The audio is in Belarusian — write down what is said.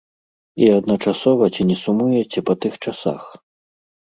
І адначасова ці не сумуеце па тых часах?